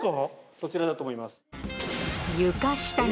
そちらだと思います。